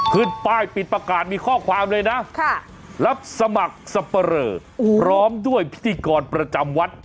ขึ้นป้ายปิดประกาศมีข้อความเลยนะรับสมัครสับปะเรอพร้อมด้วยพิธีกรประจำวัด